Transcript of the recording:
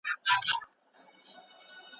انا ولې پر ماشوم باندې دومره سخته چیغه کړه؟